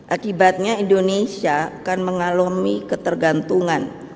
akibatnya indonesia akan mengalami ketergantungan